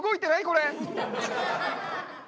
これ。